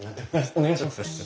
お願いします。